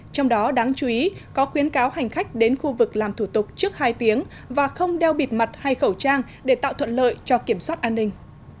trong đó đáng chú ý có khuyến cáo hành khách đến khu vực làm thủ tục trước hai tiếng và không đeo bịt mặt hay khẩu trang để tạo thuận lợi cho kiểm soát an ninh